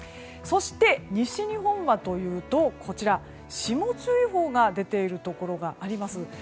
そして、西日本はというと霜注意報が出ているところがあります。